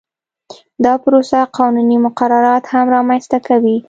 دا پروسه قانوني مقررات هم رامنځته کوي